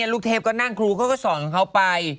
ลูกเทพก็นั่งครูก็สอนเขาไป